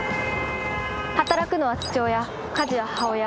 働くのは父親家事は母親。